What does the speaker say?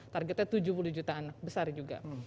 targetnya tujuh puluh juta anak besar juga